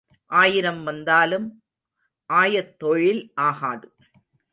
ஆயிரம் வந்தாலும் ஆயத்தொழில் ஆகாது.